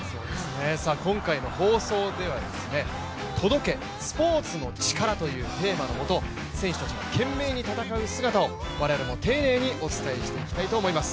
今回の放送では「届け、スポーツのチカラ」というテーマのもと選手たちが懸命に戦う姿を我々も丁寧にお伝えしていきたいと思います。